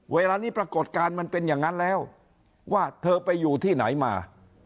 เวลานี้ปรากฏการณ์มันเป็นอย่างนั้นแล้วว่าเธอไปอยู่ที่ไหนมา